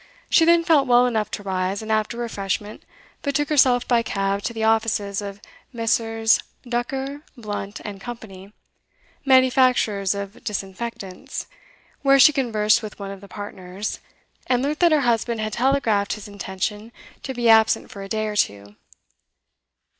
She then felt well enough to rise, and after refreshment betook herself by cab to the offices of Messrs Ducker, Blunt & Co., manufacturers of disinfectants, where she conversed with one of the partners, and learnt that her husband had telegraphed his intention to be absent for a day or two.